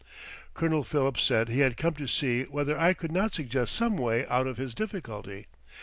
Colonel Phillips said he had come to see whether I could not suggest some way out of his difficulty.